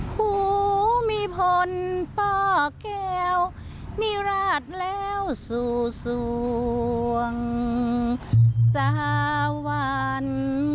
ผู้มิพลป้อแก่วนิราตแล้วสู่ส่วงสหวัญ